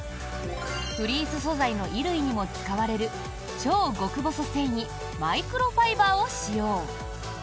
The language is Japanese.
フリース素材の衣類にも使われる超極細繊維マイクロファイバーを使用。